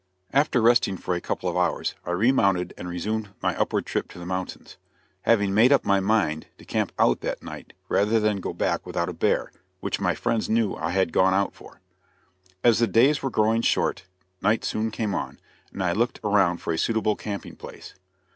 After resting for a couple of hours, I remounted and resumed my upward trip to the mountains, having made up my mind to camp out that night rather than go back without a bear, which my friends knew I had gone out for. As the days were growing short, night soon came on, and I looked around for a suitable camping place.